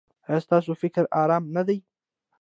ایا ستاسو فکر ارام نه دی؟